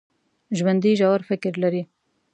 ژوندي ژور فکر لري